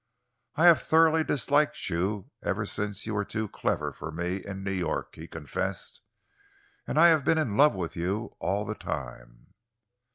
"I have thoroughly disliked you ever since you were too clever for me in New York," he confessed, "and I have been in love with you all the time."